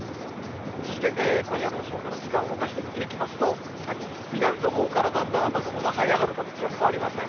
そして今夜の予想から動かして見ていきますと、南のほうからだんだん雨雲がはい上がる形は変わりません。